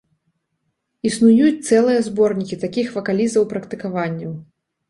Існуюць цэлыя зборнікі такіх вакалізаў-практыкаванняў.